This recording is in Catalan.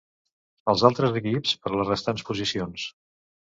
Els altres equips per les restants posicions.